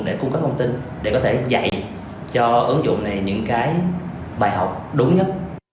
để cung cấp thông tin để có thể dạy cho ứng dụng này những cái bài học đúng nhất